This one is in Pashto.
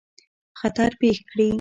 خطر پېښ کړي.